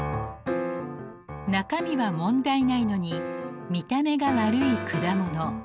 中身は問題ないのに見た目が悪い果物。